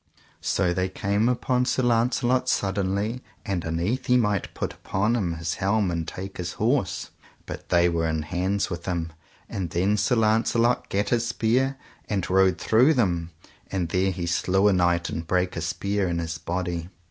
So they came upon Sir Launcelot suddenly, and unnethe he might put upon him his helm and take his horse, but they were in hands with him; and then Sir Launcelot gat his spear, and rode through them, and there he slew a knight and brake a spear in his body.